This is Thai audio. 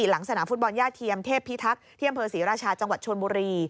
หลังสนามฟุตบอลย่าเทียมเทพพิทักษ์ที่อำเภอศรีราชาจังหวัดชนบุรี